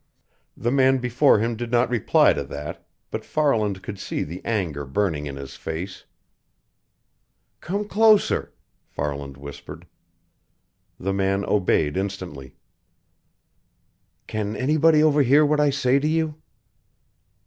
The man before him did not reply to that, but Farland could see the anger burning in his face. "Come closer," Farland whispered. The man obeyed instantly. "Can anybody overhear what I say to you?"